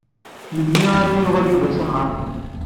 Melmi ara yuɣal Yuba s axxam?